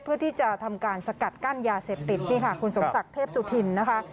เพื่อที่จะทำการสกัดกั้นยาเสพติดนี่ค่ะคุณสมศักดิ์เทพสุธินนะคะ